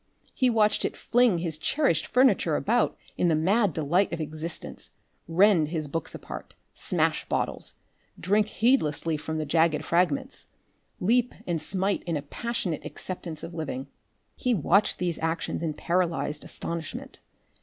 He watched it fling his cherished furniture about in the mad delight of existence, rend his books apart, smash bottles, drink heedlessly from the jagged fragments, leap and smite in a passionate acceptance of living. He watched these actions in paralysed astonishment.